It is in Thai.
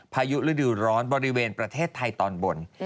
พายุฤดูร้อนบริเวณประเทศไทยตอนบน